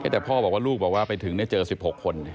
แต่พ่อบอกว่าลูกไปถึงแล้วเจอ๑๖คน